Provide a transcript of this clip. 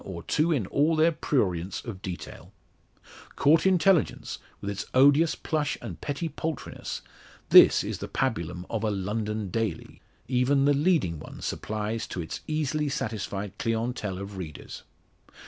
_ or two in all their prurience of detail; Court intelligence, with its odious plush and petty paltriness this is the pabulum of a "London Daily" even the leading one supplies to its easily satisfied clientele of readers!